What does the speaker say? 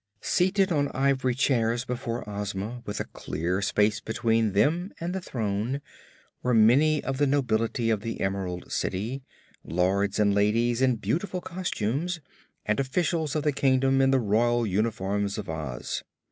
Seated on ivory chairs before Ozma, with a clear space between them and the throne, were many of the nobility of the Emerald City, lords and ladies in beautiful costumes, and officials of the kingdom in the royal uniforms of Oz.